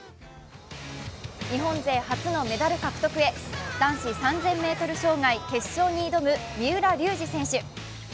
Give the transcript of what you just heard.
日本勢初のメダル獲得へ、男子３０００ｍ障害決勝に挑む三浦龍司選手。